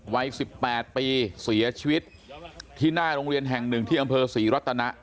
วัย๑๘ปีเสียชีวิตที่หน้าโรงเรียนแห่งหนึ่งที่อำเภอศรีรัตนะ